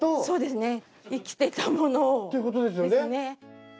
そうですね生きてたものを。っていうことですよね。